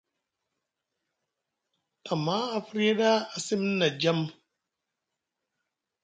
Amma a firya ɗa a simni na jam.